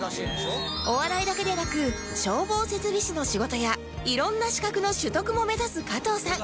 お笑いだけでなく消防設備士の仕事や色んな資格の取得も目指す加藤さん